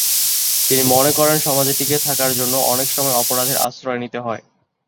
তিনি মনে করেন সমাজে টিকে থাকার জন্য অনেক সময় অপরাধের আশ্রয় নিতে হয়।